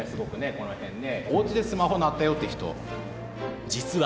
この辺ね。